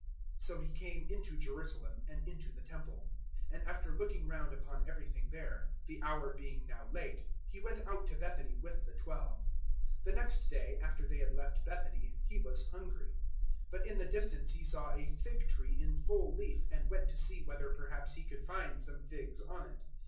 011:011 So He came into Jerusalem and into the Temple; and after looking round upon everything there, the hour being now late He went out to Bethany with the Twelve. 011:012 The next day, after they had left Bethany, He was hungry. 011:013 But in the distance He saw a fig tree in full leaf, and went to see whether perhaps He could find some figs on it.